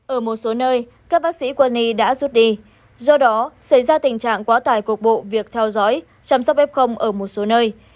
ở một số nơi các bác sĩ quân y đã rút đi do đó xảy ra tình trạng quá tải cuộc bộ việc theo dõi chăm sóc f ở một số nơi